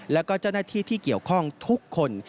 แล้วก็เจ้าหน้าที่ที่เกี่ยวข้องทุกคน